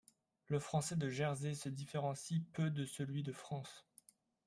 Le français de Jersey se différencie peu de celui de France.